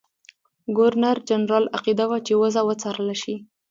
ګورنرجنرال عقیده وه چې وضع وڅارله شي.